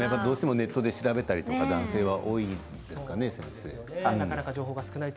ネットで調べたりどうしても男性が多いんですかね。